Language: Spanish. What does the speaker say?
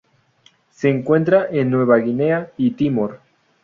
Se encuentra en Nueva Guinea y Timor.